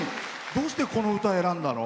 どうしてこの歌を選んだの？